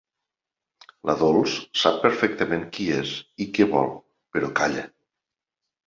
La Dols sap perfectament qui és i què vol, però calla.